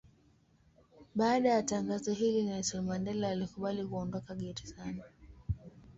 Baada ya tangazo hili Nelson Mandela alikubali kuondoka gerezani.